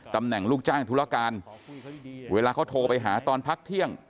ลูกจ้างธุรการเวลาเขาโทรไปหาตอนพักเที่ยง